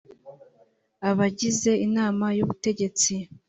abagize inama y’ ubutegetsi